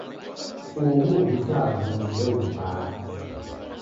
Uhu uvisaa w'uduu ndeuvaa.